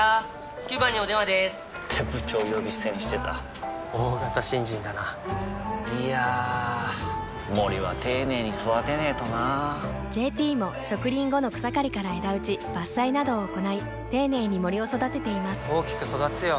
９番にお電話でーす！って部長呼び捨てにしてた大型新人だないやー森は丁寧に育てないとな「ＪＴ」も植林後の草刈りから枝打ち伐採などを行い丁寧に森を育てています大きく育つよ